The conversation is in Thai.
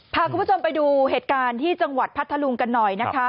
พาคุณผู้ชมไปดูเหตุการณ์ที่จังหวัดพัทธลุงกันหน่อยนะคะ